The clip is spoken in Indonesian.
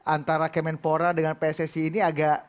antara kemenpora dengan pssi ini agak